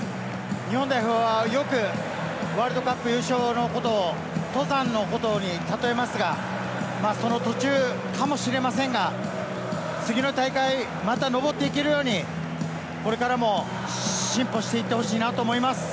日本代表はよくワールドカップ優勝のことを登山のことにたとえますが、その途中かもしれませんが、次の大会、また登っていけるように、これからも進歩していってほしいなと思います。